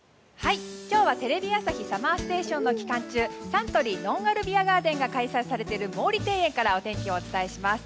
今日は「テレビ朝日ＳＵＭＭＥＲＳＴＡＴＩＯＮ」の期間中「サントリーのんあるビアガーデン」が開催されている毛利庭園からお天気をお伝えします。